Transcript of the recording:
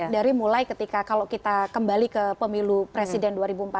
dari mulai ketika kalau kita kembali ke pemilu presiden